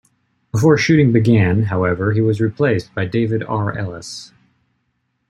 Before shooting began, however, he was replaced by David R. Ellis.